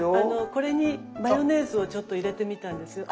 これにマヨネーズをちょっと入れてみたんですよ。